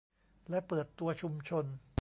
และเปิดตัวชุมชน